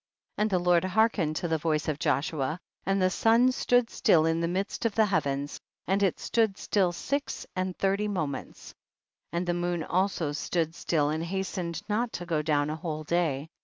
64. And the Lord hearkened to the voice of Joshua, and the sun stood still in the midst of the hea vens, and it stood still six and thirty moments,* and the moon also stood still and hastened not to go down a whole day.